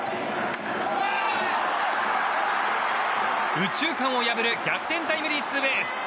右中間を破る逆転タイムリーツーベース！